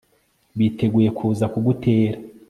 biteguye kuza kugutera